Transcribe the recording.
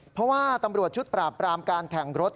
เพราะว่าตำรวจชุดปราบปรามการแข่งรถ